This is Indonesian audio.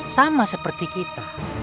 sama seperti kita